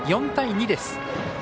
４対２です。